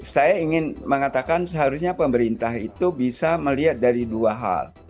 saya ingin mengatakan seharusnya pemerintah itu bisa melihat dari dua hal